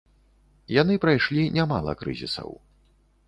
Яны прайшлі нямала крызісаў.